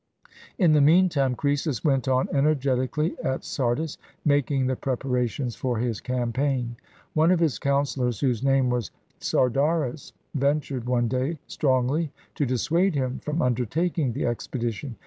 In the mean time, Croesus went on, energetically, at Sardis, making the preparations for his campaign. One of his counselors, whose name was Sardaris, ventured, one day, strongly to dissuade him from undertaking the expedition.